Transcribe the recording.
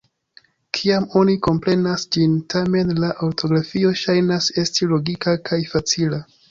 Kiam oni komprenas ĝin, tamen, la ortografio ŝajnas esti logika kaj facila.